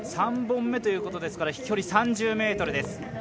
３本目というところですから飛距離、３０ｍです。